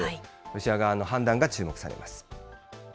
ロシア側の判断が注目されます。